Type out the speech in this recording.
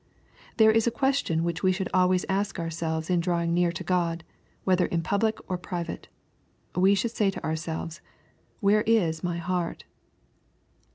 There is a question which we should always ask ourselves in draw ing near to God, whether in public or private. We should say to ourselves, " Where is my heart